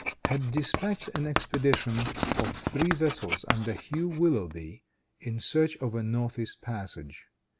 had dispatched an expedition of three vessels, under Hugh Willoughby, in search of a north east passage.